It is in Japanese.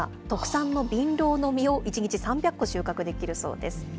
特産のビンロウの実を１日３００個収穫できるそうです。